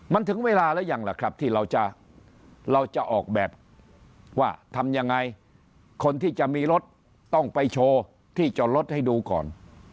มันถึงเวลาหรือยังล่ะครับที่เราจะเราจะออกแบบว่าทำยังไงคนที่จะมีรถต้องไปโชว์ที่จอดรถให้ดูก่อน